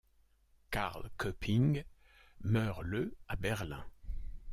Karl Köpping meurt le à Berlin.